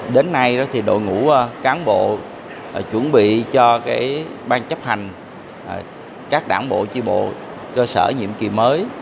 đến nay thì đội ngũ cán bộ chuẩn bị cho ban chấp hành các đảng bộ chi bộ cơ sở nhiệm kỳ mới